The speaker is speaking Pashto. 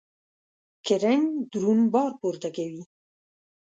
کرینګ درون بار پورته کوي.